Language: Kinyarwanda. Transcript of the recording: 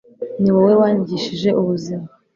niwowe wanyigishije ubuzima